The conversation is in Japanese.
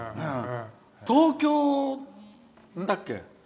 東京だっけ。